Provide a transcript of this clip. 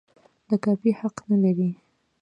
د کاپي حق نه لري.